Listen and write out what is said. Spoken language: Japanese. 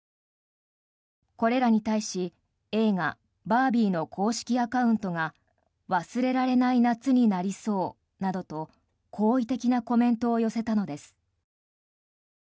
これらに対し映画「バービー」の公式アカウントが「忘れられない夏になりそう」などと好意的なコメントを寄せたのです。